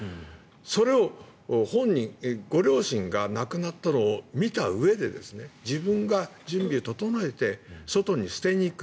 それを、本人ご両親が亡くなったのを見たうえで自分が準備を整えて外に捨てに行く。